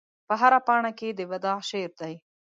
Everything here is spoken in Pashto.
په هره پاڼه کې د وداع شعر دی